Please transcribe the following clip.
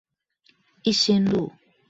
一心路